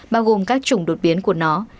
bao gồm các chủng đột biến của nó